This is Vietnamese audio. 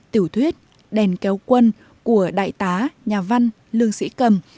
tiểu thuyết đèn kéo quân của đại tá nhà văn lương sĩ cầm